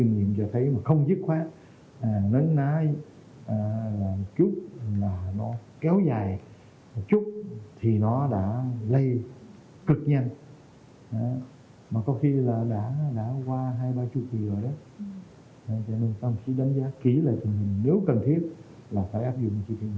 nếu cần thiết là phải áp dụng chương trình một mươi sáu cho thành phố bà rịa vũng tàu